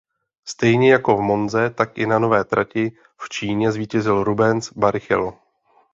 Stejně jako v Monze tak i na nové trati v Číně zvítězil Rubens Barrichello.